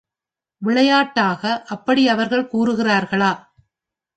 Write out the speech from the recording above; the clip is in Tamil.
விளையாட்டாக அப்படி அவர்கள் கூறுகிறார்களா?